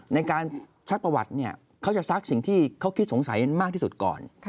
ในการซักประวัติเนี่ยเขาจะซักสิ่งที่เขาคิดสงสัยมากที่สุดก่อน